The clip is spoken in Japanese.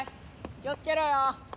気をつけろよ。